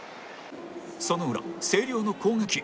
その裏星稜の攻撃